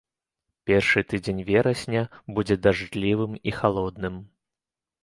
Першы тыдзень верасня будзе дажджлівым і халодным.